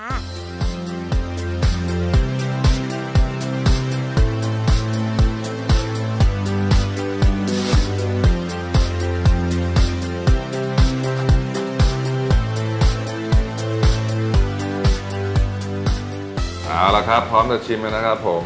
เอาล่ะครับพร้อมจะชิมกันนะครับผม